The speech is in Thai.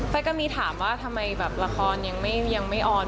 ก็มีถามว่าทำไมแบบละครยังไม่ออน